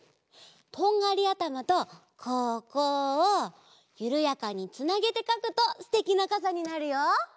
とんがりあたまとここをゆるやかにつなげてかくとすてきなかさになるよ。